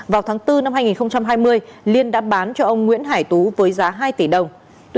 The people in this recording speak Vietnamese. vào tháng bốn năm hai nghìn hai mươi liên đã bán cho ông nguyễn hải tú với giá hai tỷ đồng